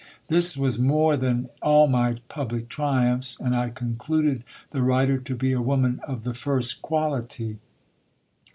This was more than all my public triumphs, and I concluded the writer to be a woman of the first quality.